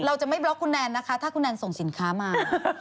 เราจะไม่บล็อกคุณแนนนะคะถ้าคุณแนนส่งสินค้ามา